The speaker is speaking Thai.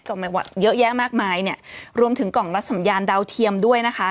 ก็ไม่ว่าเยอะแยะมากมายเนี่ยรวมถึงกล่องรัสสัญญาณดาวเทียมด้วยนะคะ